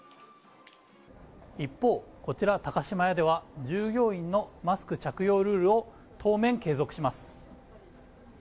一方こちら高島屋では従業員のマスク着用ルールを当面継続します。